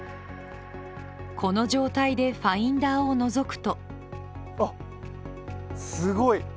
この状態でファインダーをのぞくとあっ、すごい！